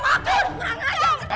udah menang aja